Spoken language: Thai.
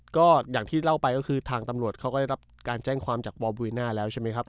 ก็อย่างที่เล่าไปก็คือทางตำรวจเขาก็ได้รับการแจ้งความจากบอบยน่าแล้วใช่ไหมครับ